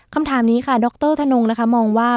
คำถามนี้ค่ะดรธนงนะคะมองว่า